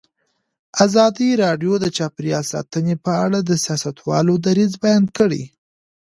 ازادي راډیو د چاپیریال ساتنه په اړه د سیاستوالو دریځ بیان کړی.